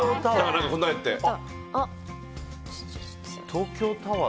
東京タワー！